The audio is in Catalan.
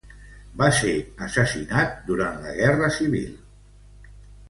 Va ser assassinat durant la Guerra Civil espanyola.